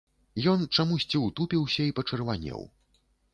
Ён чамусьці ўтупіўся і пачырванеў.